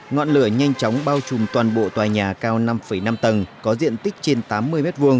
ngọn lửa nhanh chóng bao trùm toàn bộ tòa nhà cao năm năm tầng có diện tích trên tám mươi m hai